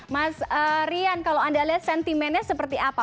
mas rian kalau anda lihat sentimennya seperti apa